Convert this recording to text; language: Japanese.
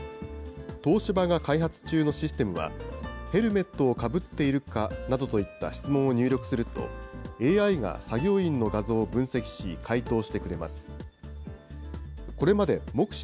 東芝が開発中のシステムは、ヘルメットをかぶっているかなどといった質問を入力すると、ＡＩが作業員の画像を分析し、回答をしてくれます。